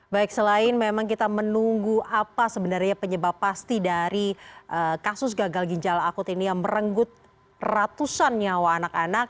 baik selain memang kita menunggu apa sebenarnya penyebab pasti dari kasus gagal ginjal akut ini yang merenggut ratusan nyawa anak anak